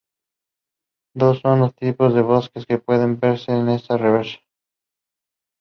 Set on backdrop of Shirdi.